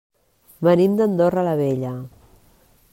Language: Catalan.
Venim d'Andorra la Vella.